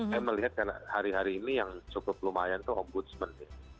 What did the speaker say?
saya melihat karena hari hari ini yang cukup lumayan itu ombudsman ya